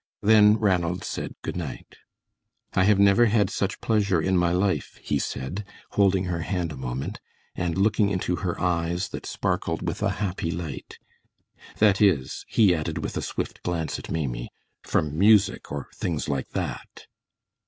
Then Ranald said good night. "I have never had such pleasure in my life," he said, holding her hand a moment, and looking into her eyes that sparkled with a happy light. "That is," he added, with a swift glance at Maimie, "from music or things like that."